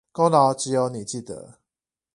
功勞只有你記得